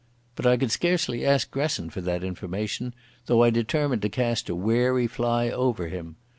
But I could scarcely ask Gresson for that information, though I determined to cast a wary fly over him.